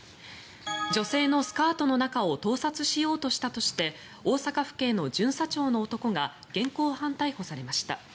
女性のスカートの中を盗撮しようとしたとして大阪府警の巡査長の男が現行犯逮捕されました。